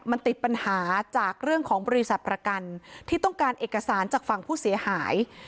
มันติดปัญหาจากเรื่องของบริษัทประกันที่ต้องการเอกสารจากฝั่งผู้เสียหาย